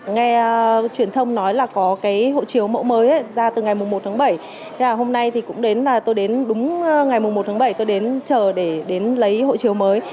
nghe truyền thông nói là có cái hộ chiếu mẫu mới ra từ ngày một tháng bảy nên là hôm nay thì cũng đến là tôi đến đúng ngày một tháng bảy tôi đến chờ để đến lấy hộ chiếu mới